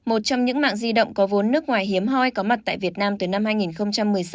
một trong những mạng di động có vốn nước ngoài hiếm hoi có mặt tại việt nam từ năm hai nghìn một mươi sáu